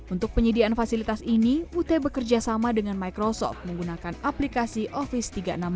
untuk penyediaan fasilitas ini ut bekerja sama dengan microsoft menggunakan aplikasi office tiga ratus enam puluh